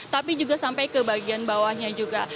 tapi juga sampai ke bagian bawahnya juga